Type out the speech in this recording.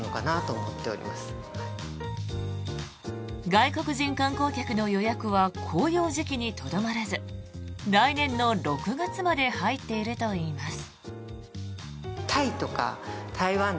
外国人観光客の予約は紅葉時期にとどまらず来年の６月まで入っているといいます。